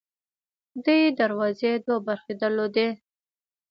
دې دروازې دوه برخې درلودې.